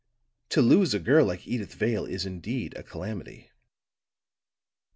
To lose a girl like Edyth Vale is indeed a calamity.